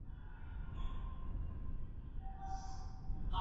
موږ چيري د خپلو هیلو د پوره کولو لپاره پلانونه جوړوو؟